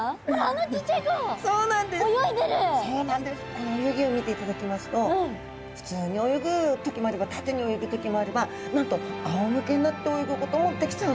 この泳ぎを見ていただきますと普通に泳ぐ時もあれば縦に泳ぐ時もあればなんとあおむけになって泳ぐこともできちゃうんです。